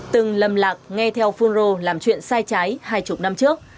từng lầm lạc nghe theo phun rô làm chuyện sai trái hai mươi năm trước